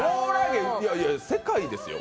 いやいや、世界ですよ。